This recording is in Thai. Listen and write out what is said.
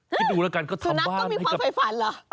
ที่ดูแล้วกันก็ทำบ้านให้กับสุนัขต้องมีความไฟฝันเหรอ